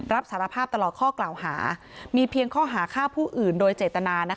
รับสารภาพตลอดข้อกล่าวหามีเพียงข้อหาฆ่าผู้อื่นโดยเจตนา